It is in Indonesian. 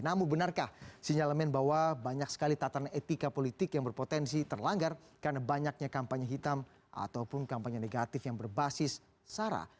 namun benarkah sinyalemen bahwa banyak sekali tatanan etika politik yang berpotensi terlanggar karena banyaknya kampanye hitam ataupun kampanye negatif yang berbasis sara